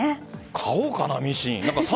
買おうかな、ミシン。